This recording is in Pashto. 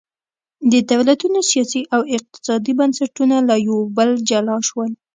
د دولتونو سیاسي او اقتصادي بنسټونه له یو بل جلا شول.